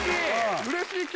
うれしい！